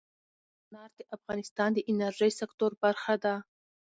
انار د افغانستان د انرژۍ سکتور برخه ده.